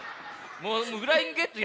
もうフライングゲット